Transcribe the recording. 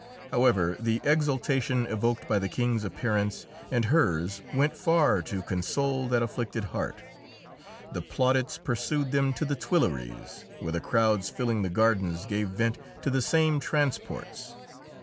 However, the exultation evoked by the King's appearance and hers went far to console that afflicted heart. The plaudits pursued them to the Tuileries, where the crowds filling the gardens gave vent to the same transports.